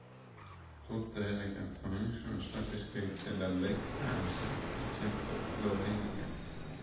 Tutte le canzoni sono state scritte da Beck Hansen, eccetto dove indicato.